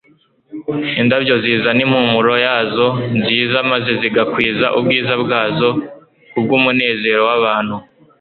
Indabyo zizana impumuro yazo nziza maze zigakwiza ubwiza bwazo kubw'umunezero w'abantu.